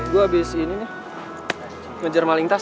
gue habis ini nih mengejar malingtas